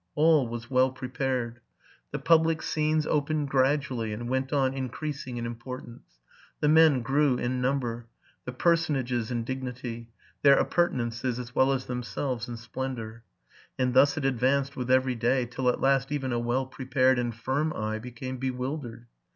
All was well prepared. The public scenes opened gradually, and went on increasing in importance ; the men grew in number, the personages in dignity, their appurtenances, as well as themselves, in splendor, —and thus it advanced with every day, till at last even a well prepared and firm eye became bewildered.